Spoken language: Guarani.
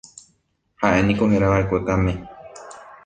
Ha'éniko herava'ekue Kame.